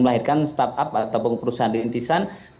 menaikan startup atau perusahaan diintisan